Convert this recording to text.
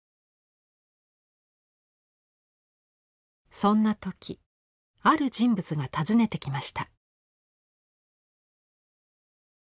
そんな時ある人物が訪ねてきました。